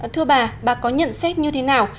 thưa bà bà có nhận xét như thế nào